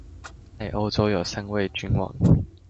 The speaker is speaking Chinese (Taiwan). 在歐洲有三位君王